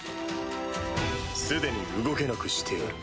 既に動けなくしてある。